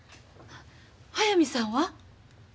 速水さんは？